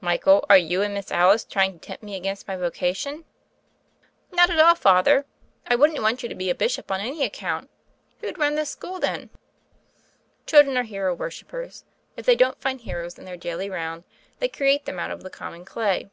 "Michael, are you and Miss Alice trying to tempt me against my vocation?" "Not at all, Father. I wouldn't want you to be a Bishop on any account. Who'd run this school, then?" Children are hero worshippers. If they don't find heroes in their daily round, they create them out of the common clay.